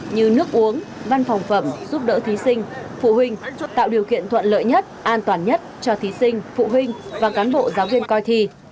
như nước uống văn phòng phẩm giúp đỡ thí sinh phụ huynh tạo điều kiện thuận lợi nhất an toàn nhất cho thí sinh phụ huynh và cán bộ giáo viên coi thi